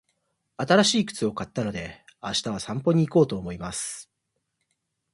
新しい靴を買ったので、明日は散歩に行こうと思います。